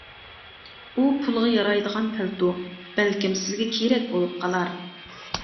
ئۇ پۇلغا يارايدىغان پەلتو، بەلكىم سىزگە كېرەك بولۇپ قالار.